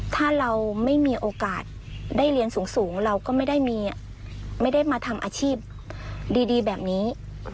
ถ้าเราไม่มีโอกาสได้เรียนสูงเราก็ไม่ได้มาทำอาชีพดีแบบนี้